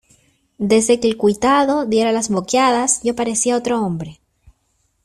desde que el cuitado diera las boqueadas, yo parecía otro hombre: